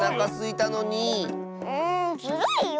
んずるいよ。